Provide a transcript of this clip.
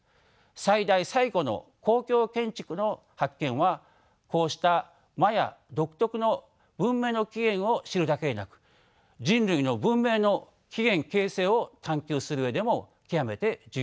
最大最古の公共建築の発見はこうしたマヤ独特の文明の起源を知るだけでなく人類の文明の起源形成を探求する上でも極めて重要です。